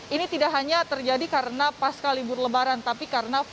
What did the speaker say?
ini tidak hanya terjadi karena pasca libur lebaran tapi karena faktor